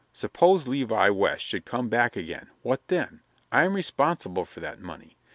Suppose Levi West should come back again, what then? I'm responsible for that money.